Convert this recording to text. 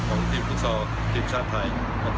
ของทีมฟุตซอลทีมชาติไทย